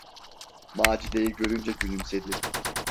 Macide’yi görünce gülümsedi.